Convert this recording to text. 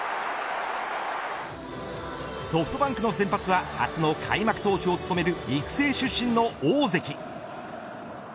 ソフトバンクの先発は初の開幕投手を務める育成出身の大関。